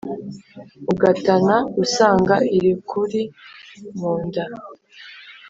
ugatana usanga irikuri mu nda